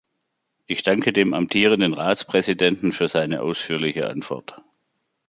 Ich danke dem amtierenden Ratspräsidenten für seine ausführliche Antwort.